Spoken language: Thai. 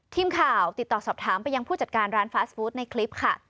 ทีมข่าวติดต่อสอบถามไปยังผู้จัดการร้านฟาสบูธในคลิปค่ะ